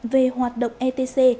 về hoạt động etc